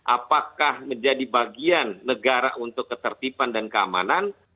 apakah menjadi bagian negara untuk ketertiban dan keamanan